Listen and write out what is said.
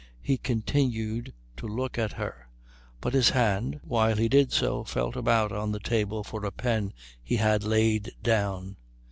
He continued to look at her, but his hand while he did so felt about on the table for the pen he had laid down.